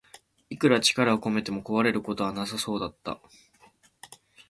いくら力を込めても壊れることはなさそうだった